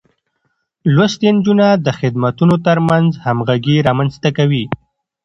لوستې نجونې د خدمتونو ترمنځ همغږي رامنځته کوي.